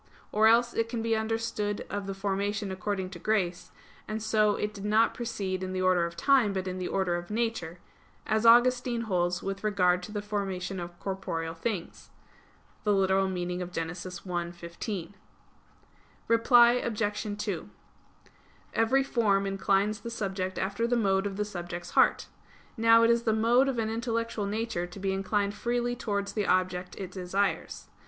Or else it can be understood of the formation according to grace: and so it did not precede in the order of time, but in the order of nature; as Augustine holds with regard to the formation of corporeal things (Gen. ad lit. i, 15). Reply Obj. 2: Every form inclines the subject after the mode of the subject's nature. Now it is the mode of an intellectual nature to be inclined freely towards the objects it desires.